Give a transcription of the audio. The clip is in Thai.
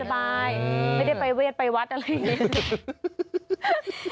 ไม่ได้ปลายเวทปลายวัดอะไรอย่างนี้